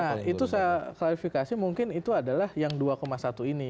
nah itu saya klarifikasi mungkin itu adalah yang dua satu ini